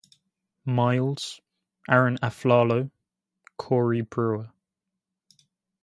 Miles, Arron Afflalo, Corey Brewer.